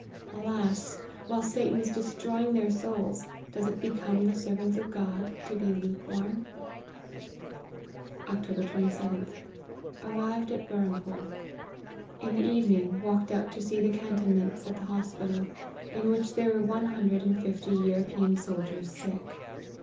Alas ! while Satan is destroying their souls, does it become the servants of God to be lukewarm ?"" Oct. 27th. Arrived at Berhampore. In the evening, walked out to see the cantonments at the hospital, in which there were one hundred and fifty European soldiers sick.